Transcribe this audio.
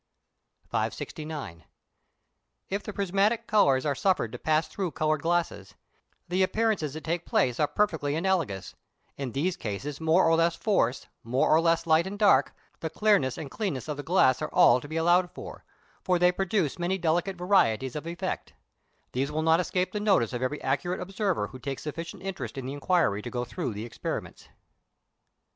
569. If the prismatic colours are suffered to pass through coloured glasses, the appearances that take place are perfectly analogous; in these cases more or less force, more or less light and dark, the clearness and cleanness of the glass are all to be allowed for, as they produce many delicate varieties of effect: these will not escape the notice of every accurate observer who takes sufficient interest in the inquiry to go through the experiments.